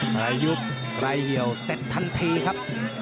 ใครยุบใครเหี่ยวเสร็จทันทีครับ